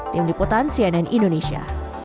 tim liputan cnn indonesia